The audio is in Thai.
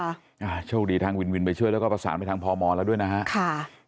อ่าโชคดีทางวินวินไปช่วยแล้วก็ประสานไปทางพมแล้วด้วยนะฮะค่ะ